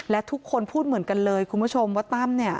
และทุกคนพูดเหมือนกันเลยคุณผู้ชมว่าตั้มเนี่ย